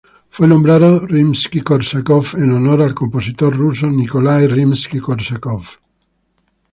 Fue nombrado Rimskij-Korsakov en honor al compositor ruso Nikolái Rimski-Kórsakov.